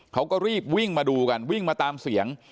เขาก็รีบวิ่งมาดูกันวิ่งมาตามเสียง